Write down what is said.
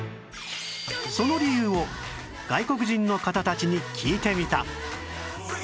その理由を外国人の方たちに聞いてみた